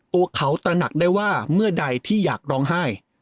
ตัวเขาตระหนักได้ว่าเมื่อใดที่อยากร้องไห้